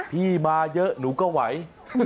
พี่มาเยอะหนูก็ไหว